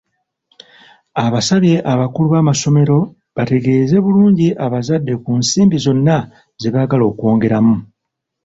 Abasabye abakulu b'amasomero bategeeze bulungi abazadde ku nsimbi zonna ze baagala okwongeramu.